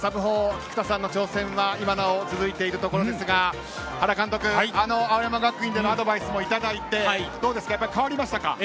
菊田さんの挑戦は今なお続いているところですが原監督、青山学院でのアドバイスもいただいてどうですか、変わりましたか。